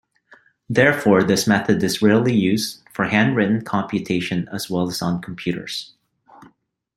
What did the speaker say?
Therefore, this method is rarely used, for hand-written computation as well on computers.